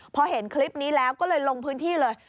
พอเห็นคลิปนี้แล้วก็เลยลงพื้นที่เลย